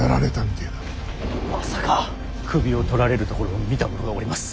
首を取られるところを見た者がおります。